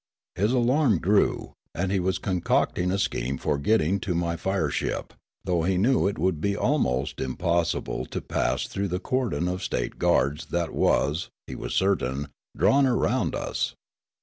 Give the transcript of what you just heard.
His alarm grew, and he was concocting a scheme for getting to my fireship, though he knew it would be almost impossible to pass through the cordon of state guards that was, he was certain, drawn round us.